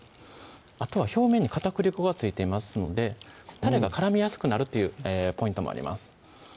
あとは表面に片栗粉が付いていますのでタレが絡みやすくなるというポイントもあります